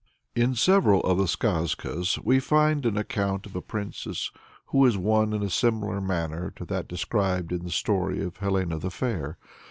In several of the Skazkas we find an account of a princess who is won in a similar manner to that described in the story of Helena the Fair.